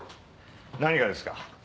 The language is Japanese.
何がですか？